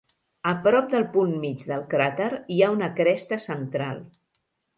A prop del punt mig del cràter, hi ha una cresta central.